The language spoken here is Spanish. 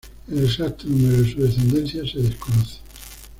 El exacto número de su descendencia se desconoce.